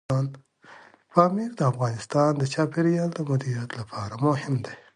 پامیر د افغانستان د چاپیریال د مدیریت لپاره مهم دی.